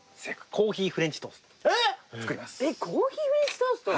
えっコーヒーフレンチトースト？